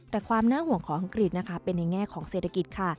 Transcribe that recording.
แต่ความน่าห่วงของอังกฤษนะคะเป็นในแง่ของเศรษฐกิจค่ะ